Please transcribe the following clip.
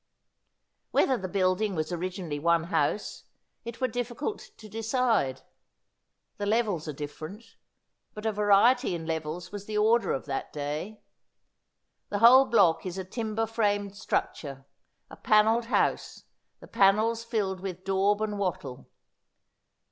Whether the building was originally one house, it were difficult to decide. The levels are different ; but a variety in levels was the order of that day. The whole block is a timber framed structure — a panelled house, the panels filled with dab and wattle.